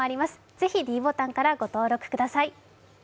ぜひｄボタンからご登録ください。